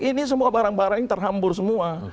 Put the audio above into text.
ini semua barang barang ini terhambur semua